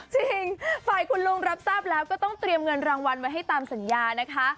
จริงฝ่ายคุณลุงรับทราบแล้วก็ต้องเตรียมเงินรางวัลไว้ให้ตามสัญญานะคะ